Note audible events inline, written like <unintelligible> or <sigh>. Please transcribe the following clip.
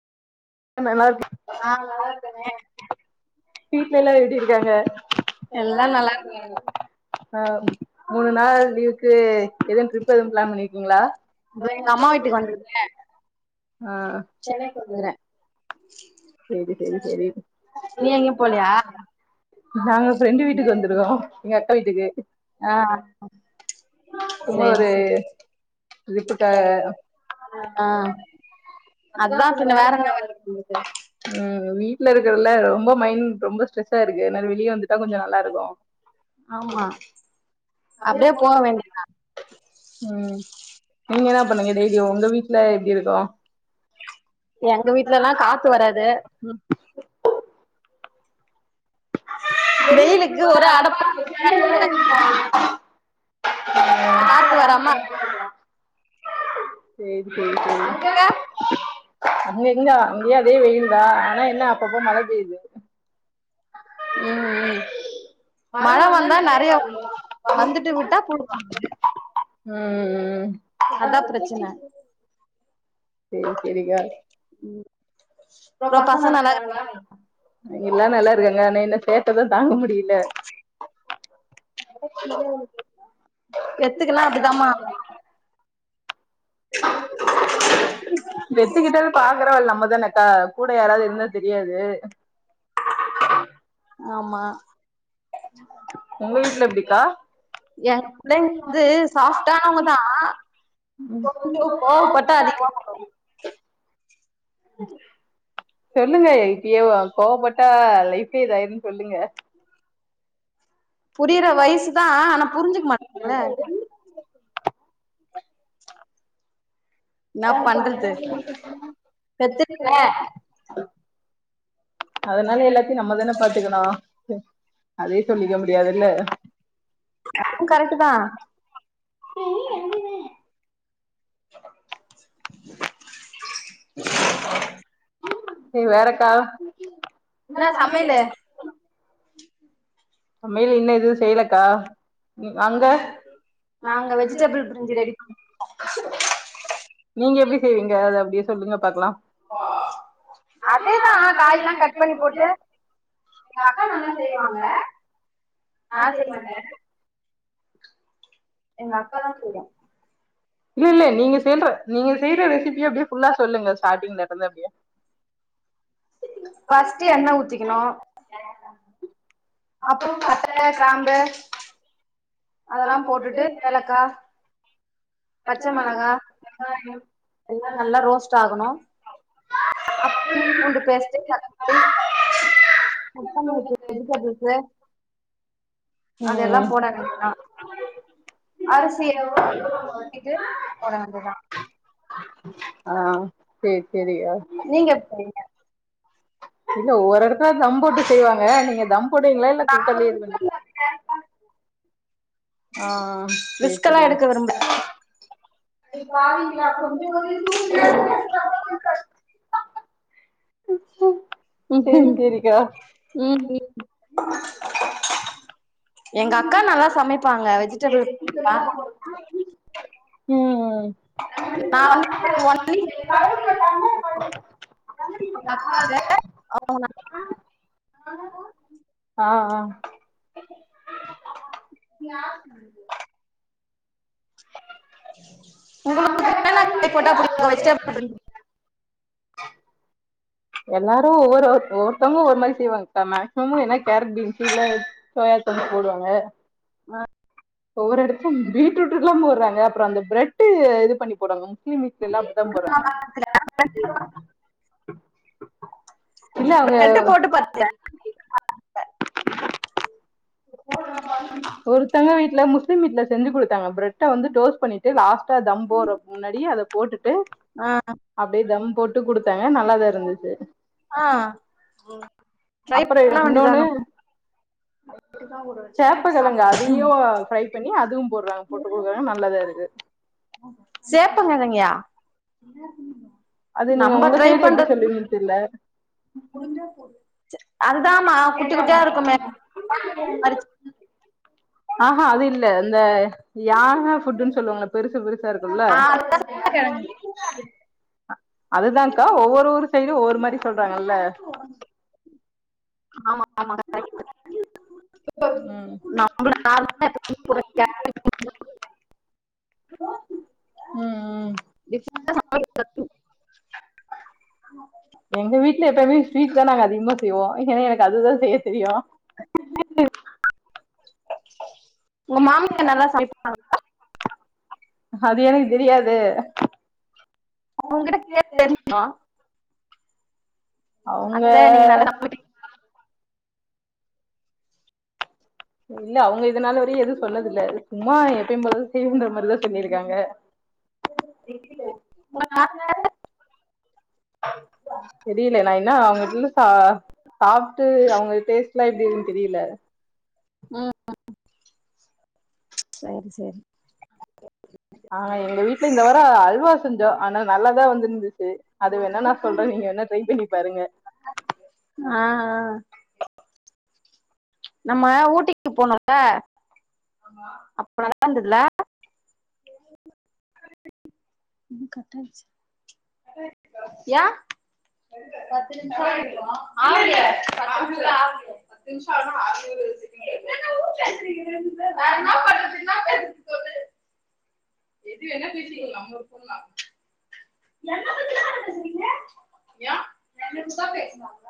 ம் நல்லார் அ வீட்ல எல்லாரு எப்டி இருக்காங்க எல்லா எல்லாரும் நல்லா இருக்க இருக்காங்க அ மூணு நாள் லீவுக்கு எதுவு ட்ரிப் எதுவு பிளான் பண்ணிருக்கீங்களா ம் அம்மா வீட்டுக்கு வந்துருக்க ஆ சென்னைல இருக்கற செரி செரி செரி நீ எங்யும் போலியா போலயா நாங்க ஃப்ரெண்டு வீட்டுக்கு வந்துருகோம் எங்க அக்கா வீட்டுக்கு ஆ சும்மா சரி ஒரு சரி டிரிப்புக்காக ஆ அதா கொஞ்சோ வேற என்ன வேல இருக்கு வீட்ல ம் வீட்ல இருக்கறல்ல ரொம்ப மைண்ட் ரொம்ப டிரெஸ்சா இருக்கு அதனால் வெளிய வந்துட்டா கொஞ்சோ நல்லா இருக்கு ஆமா அப்ப ஏன் அப்டியே ஒங்க அம்மா போக வீட்டுக்கு போனிங் வேண்டியதா ம் நீங்க என்னா பண்ணுவிங்க டெய்லி ஒங்க வீட்ல எப்டி இருக்கும் எங்க வீட்லலாம் காத்து வராது ம் செடி வெயிலுக்கு வைக்கணும்னு ஒரே அடப்பா ரொம்ப ஆச <unintelligible> காத்து வராம சேரி சேரி சேரி அங்க அங்க எங்க அங்கயே அதே வெயில் தா ஆனா என்ன அப்ப அப்ப மழ பெய்யூ ம் ம் மழ வந்தா நெனய வரணும்மா வந்துட்டு விட்டா போய்டு புழுக்க தூங்கா முடியாது ம் அதா பிரச்சன எது தெரில ம் ப்றோ பக்கோ நல்லாரிக்கிறாங்ளா எல்லா நல்லா இருக்காங்க ஆனா என்ன சேட்ட தா தாங்க முடியல எத்துக்குன்னா அப்டிதாமா <unintelligible> <unintelligible> பெத்துக்கிட்டாலு பாக்குறவ நம்மதான கா கூட யாராவ்து இருந்தா தெரியாது ஆமா உங்க வீட்ல எப்டிக்கா எங் புள்ளைங்க வந்து சாஃப்ட்டானவங்க தா அதிகமா கோவ <unintelligible> சொல்லுங்க இப்யோ கோவப்பட்டா லைஃபே இதாயிருன்னு சொல்லுங்க புரியுற வய்சுதான் ஆனா புரிஞ்சுக் மாட்டாங்ளே என்னா <unintelligible> பண்றது பெத்துட்டல்ல அதனால எல்லாத்தையு நம்மதான பாத்துக்கணு அதே சொல்லிக்க முடியாதுல்ல அதுவு கரெக்ட்டு தா <unintelligible> செ வேறக்கா என்ன சமையலு சமையல் இன்னு எதுவு செய்யலக்கா அங்க நாங்க வெஜிடபிள் பிரிஞ்சு ரெடி <inaudible> நீங்க எப்டி செய்வீங்க அத அப்டியே சொல்லுங்க பாக்கலாம் அதேதா காய்இல்லா கட் பண்ணி போட்டு எங்க அக்கா நல்லா செய்வாங்க நா செய் மாட்டே எங்க அக்கா தா செய்யு இல்ல இல்ல நீங்க செய்த்ற நீங்க செய்ற ரெசிபிய அப்டியே ஃபுல்லா சொல்லுங்க ஸார்டிங்ல இருந்து அப்டியே ஃபஸ்ட்டு எண்ண ஊத்திக்கணு அப்புறோ பட்ட கிராம்பு அதல்லா போட்டுட்டு ஏலக்கா பச்ச மெளகா எல்லா நல்லா ரோஸ்ட் ஆகணு அப் பூண்டு பேஸ்ட்டு தக் அப்ப நா இப்ப எதுக்காஹ் பேச அதெல்லா ம் போடா <unintelligible> அரிசிய <unintelligible> எடுத்துடு போட வேண்டியதா ஆ சேரி சேரிக நீங்க எப்டிங்க இல்ல ஒரு ஒருத்தரு தம் போட்டு செய்வாங்க நீங்க தம் போடுவீங்களா இல்ல நா குக்கர்லயே இது பண்ணீ ஆ செரி ரிஸ்கெல்லா எடுக்க செரி விரும்பல அடி பாவிங்ளா கொஞ்ச கொஞ்ச தூங்கிங்க சேரி சேரிக்கா <unintelligible> எங்க அக்கா நல்லா சமைப்பாங்க வெஜிடபிள் <unintelligible> லா நா ம் வந்து <unintelligible> ஆ ஆ நா உங்களுக்கு வேலக்டே போட்டா புடிக்கு வெஜிடப் எல்லாரும் ஒவ்வொரு ஒவ்வொருத்தவங்க ஒரு ஒரு மாரி செய்வாங்கா மேக்ஸ் அம்மு என்ன கேரட் பீன்சுல சோயா சாஸ் போடுவாங்க ஆ ஒவ்வொரு இடத்தூம் பீட்ரூட்ல்லா போட்றாங்க அப்புறோ அந்த பிரெட் இது பண்ணி போடணோ இட்லி மிக்ஸ் இல்லாம தா போடுவே ஸ்வெட்டர் போட்டு பாத் ட்டோ அத் த ஒருத்தங்க வீட்ல முஸ்லீம் வீட்ல செஞ்சு குடுத்தாங்க பிரெட்ட வந்து டோஸ் பண்ணி சரி லாஸ்ட்டா தம்போறத்துக் முன்னாடி அதை போட்டுட்டு ஆ அப்டியே தம் போட்டு குடுத்தாங்க நல்லாதா இருந்துச்சு ஆ ட்ரை அப்புற பண்ண இன்னொன்னு வேண்டியதான சேப்பக்கெழங்கு அதையு ஃப்ரை பண்ணி அதுவு போடுறாங்க போட்டு குடுக்குறாங்க நல்லதா இருக்கு சேப்பங்கிழங்கயா அது நீங்க உங்க சைடு எப்டி சொல்லிவீங்க தெர்ல அதுதான்மா குட்டி குட்டியா இருக்குமே அது அ ஆ அது இல்ல இந்த யான ஃபுட்ன்னு சொல்லுவாங்கள பெருசு பெருசா இருக்குல்ல <unintelligible> அதுதான்கா ஒவ்வொரு ஊரு சைடூ ஒவ்வொரு மாரி சொல்றாங்கல்ல ஆமா ஆமா அது கரெக்ட் ம் <inaudible> ம் ம் <inaudible> <unintelligible> எங்க வீட்டு்ல எப்பவுமே ஸ்வீட் தா நாங்க அதிகமாக செய்வோ ஏன்னா எனக்கு அதுதா செய்ய தெரியோ உங்க மாமியா நல்லா சமைப்பாங் அது எனக்கு தெரியாது உன்கிட்ட கேட்டு <inaudible> அவுங்க அத்தை நீங்க நல்லா சமைப்பீங்க இல்ல அவங்க இதனால் வரையூ எதுவூ சொன்னதில்ல சும்மா எப்பயூ போலதா செய்யுன்ற மாரிதா சொல்லியிருக்காங்க <inaudible> <inaudible> தெரியல நா என்னா அவங்கிட்ட சா சாப்ட்டு அவுங்க டேஸ்ட் எல்லா எப்டி இருக்குனு தெரியல ம் சேரி சேரி ஆ எங்க வீட்டு்ல இந்த வாரோ அல்வா செஞ்சோ ஆனா நல்லாதா வந்திருந்துச்சு அது வேணா நா சொல்றே நீங்க வேணா ட்ரை பண்ணி பாருங்க அ ஆ நம்ம ஊட்டிக்கு போனோல்ல அப்ப நல்லா இருந்ததுல்ல கட்டாயச்சுக்கா பத்து நிமிஷம் ஆயிருக்கோ பத்து நிமிஷம் ஆகல தின்ஷால்லா அரவிந்த் பத்தி பேசுறா வேற என்ன பண்றது ன்னா பேசறது சொல்லு எப்படி வேணா <unintelligible> நம்ம இஷ்டம் தா ஏ எண்ணத்தா பேசுவாங்க